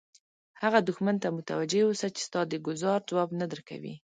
هغه دښمن ته متوجه اوسه چې ستا د ګوزار ځواب نه درکوي.